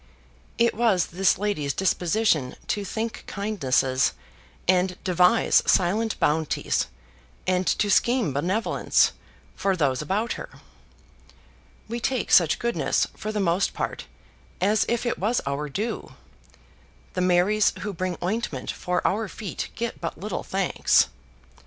It was this lady's disposition to think kindnesses, and devise silent bounties and to scheme benevolence, for those about her. We take such goodness, for the most part, as if it was our due; the Marys who bring ointment for our feet get but little thanks.